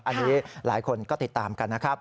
อันนี้หลายคนก็ติดตามกันนะครับ